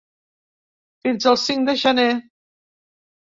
Fins el cinc de gener.